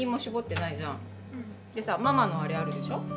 でさママのあれあるでしょ？